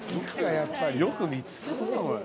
よく見つけたなおい。